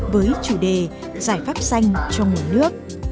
với chủ đề giải pháp xanh cho nguồn nước